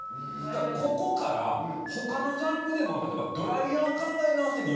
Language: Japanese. だからここから他のジャンルでも例えばドライヤー考え直してみようぜとか。